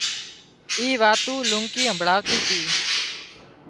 اُي واتُون لونڪي هامڀۯتي تي